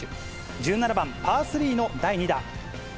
１７番パー３の第２打。